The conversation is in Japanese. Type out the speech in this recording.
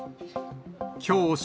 きょう正